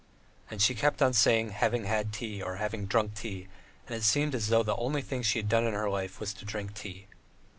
.." And she kept on saying, "having had tea" or "having drunk tea," and it seemed as though the only thing she had done in her life was to drink tea.